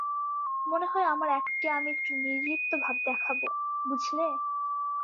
মনে হয় আমার অ্যাক্টে আমি একটু নির্লিপ্ত ভাব দেখাবো, বুঝলে?